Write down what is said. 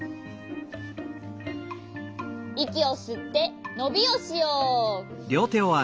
いきをすってのびをしよう。